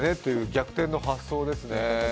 逆転の発想ですね。